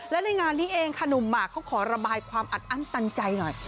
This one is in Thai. และในงานนี้เองค่ะหนุ่มหมากเขาขอระบายความอัดอั้นตันใจหน่อย